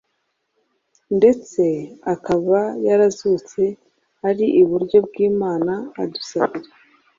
ndetse akaba yarazutse, ari iburyo bw’Imana, adusabira. ”.